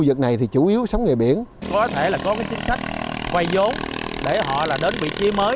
việc này thì chủ yếu sống nghề biển có thể là có cái chính sách quay dấu để họ là đến vị trí mới